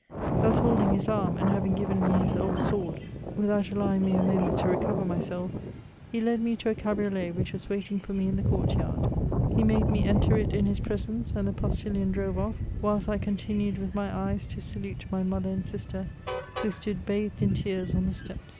Thus holding his arm, and having given me his old sword, without allowing me a moment to recover myself, he led me to a cabriolet which was waiting for me in the court yard. He made me enter it in his presence, and the postilion drove off, whilst I continued with my eyes to salute my mother and sister, who stood bathed in tears on the steps. VOL.